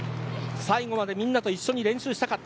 最後までみんなと一緒に練習したかった。